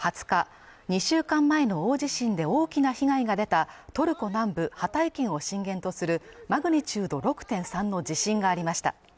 トルコ災害当局によりますと、２０日２週間前の大地震で大きな被害が出たトルコ南部ハタイ県を震源とするマグニチュード６．３の地震がありました。